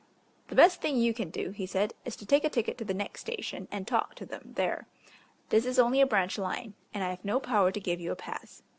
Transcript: "The best thing you can do," he said, "is to take a ticket to the next station and talk to them there. This is only a branch line, and I have no power to give you a pass."